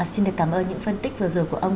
xin được cảm ơn những phân tích vừa rồi của ông